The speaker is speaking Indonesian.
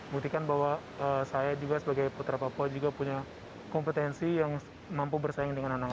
buktikan bahwa saya juga sebagai putra papua juga punya kompetensi yang mampu bersaing dengan anak anak